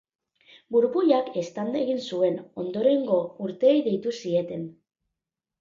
Burbuilak eztanda egin zuen ondorengo urteei deitu zieten.